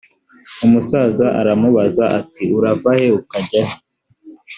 umusaza aramubaza ati urava he ukajya he‽